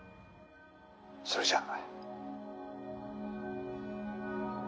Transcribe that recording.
「それじゃあ」